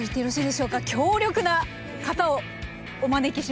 強力な方をお招きしました。